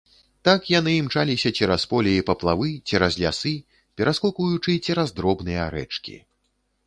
Так яны імчаліся цераз поле і паплавы, цераз лясы, пераскокваючы цераз дробныя рэчкі.